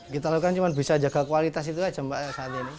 kita lakukan cuma bisa jaga kualitas itu aja mbak saat ini